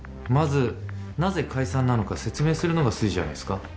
まずなぜ解散なのか説明するのが筋じゃないですか？